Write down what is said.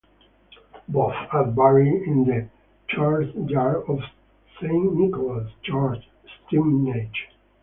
Both are buried in the churchyard of Saint Nicholas' Church, Stevenage.